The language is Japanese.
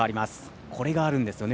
これがあるんですよね